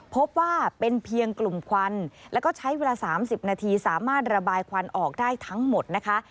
พบว่าเป็นเพียงกลุ่มควันแล้วก็ใช้เวลา๓๐นาทีสามารถระบายควันออกได้ทั้งหมดนะคะ